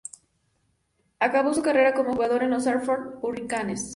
Acabó su carrera como jugador en los Hartford Hurricanes.